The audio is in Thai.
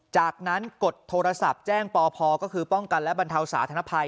จากนั้นกดโทรศัพท์แจ้งปพก็คือป้องกันและบรรเทาสาธารณภัย